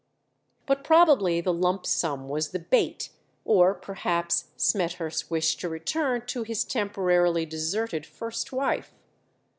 But probably the lump sum was the bait, or perhaps Smethurst wished to return to his temporarily deserted first wife.